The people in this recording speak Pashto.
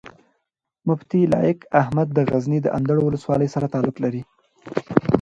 مفتي لائق احمد د غزني د اندړو ولسوالۍ سره تعلق لري